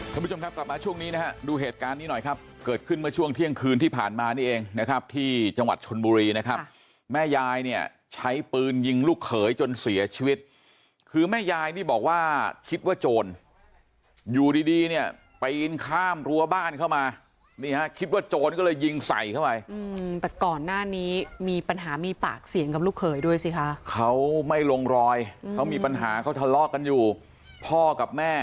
สวัสดีค่ะสวัสดีค่ะสวัสดีค่ะสวัสดีค่ะสวัสดีค่ะสวัสดีค่ะสวัสดีค่ะสวัสดีค่ะสวัสดีค่ะสวัสดีค่ะสวัสดีค่ะสวัสดีค่ะสวัสดีค่ะสวัสดีค่ะสวัสดีค่ะสวัสดีค่ะสวัสดีค่ะสวัสดีค่ะสวัสดีค่ะสวัสดีค่ะสวัสดีค่ะสวัสดีค่ะสวั